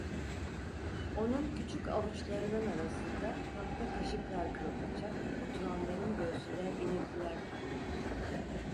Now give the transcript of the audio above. Onun küçük avuçlarının arasında tahta kaşıklar kırıldıkça oturanların göğsünden iniltiler fırlıyordu.